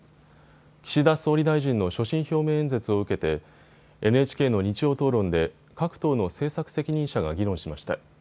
岸田総理大臣の所信表明演説を受けてＮＨＫの日曜討論で各党の政策責任者が議論しました。